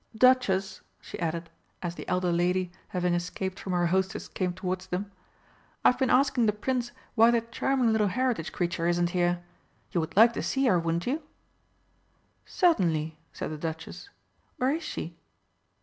Duchess," she added, as the elder lady, having escaped from her hostess, came towards them, "I've been asking the Prince why that charming little Heritage creature isn't here. You would like to see her, wouldn't you?" "Certainly," said the Duchess. "Where is she?"